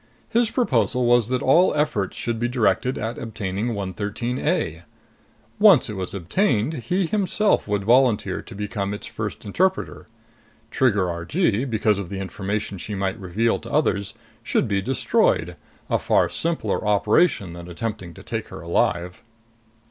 His proposal was that all efforts should be directed at obtaining 113 A. Once it was obtained, he himself would volunteer to become its first interpreter. Trigger Argee, because of the information she might reveal to others, should be destroyed a far simpler operation than attempting to take her alive.